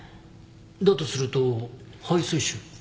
だとすると肺水腫？